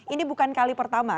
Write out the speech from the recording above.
ini bukan kali pertama